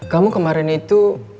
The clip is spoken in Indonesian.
kamu kemarin itu